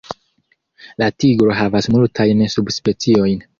La tigro havas multajn subspeciojn.